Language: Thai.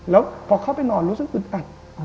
เดี๋ยวพอเข้าไปนอนลุกสึกอึดอัด